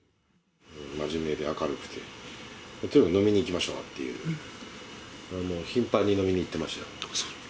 真面目で明るくて、飲みに行きましょうっていう、頻繁に飲みに行ってましたよ。